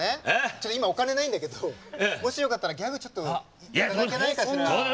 ちょっと今お金ないんだけどもしよかったらギャグちょっと頂けないかしら？